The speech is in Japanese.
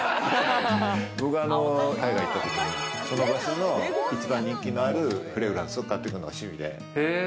僕が海外行ったときにその場所の一番人気のあるフレグランスを買ってくるのが趣味で。